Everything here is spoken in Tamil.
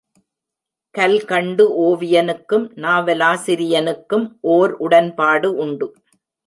கல்கண்டு ஓவியனுக்கும், நாவலாசிரியனுக்கும் ஓர் உடன்பாடு உண்டு.